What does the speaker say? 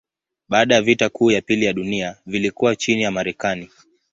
Baada ya vita kuu ya pili ya dunia vilikuwa chini ya Marekani.